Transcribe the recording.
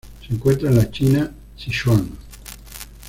Se encuentra en la China: Sichuan.